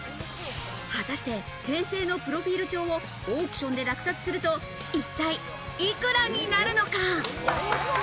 果たして平成のプロフィール帳をオークションで落札すると一体幾らになるのか？